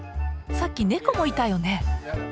さっき猫もいたよね。